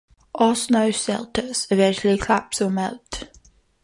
All snow shelters eventually collapse or melt.